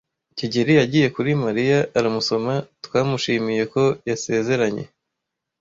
kigeli yagiye kuri Mariya aramusoma. Twamushimiye ko yasezeranye.